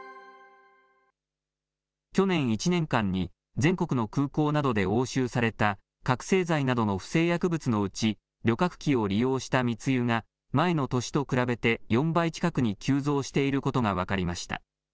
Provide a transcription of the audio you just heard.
去年１年間に、全国の空港などで押収された覚醒剤などの不正薬物のうち、旅客機を利用した密輸が前の年と比べて４倍近くに急増していることが分かりました。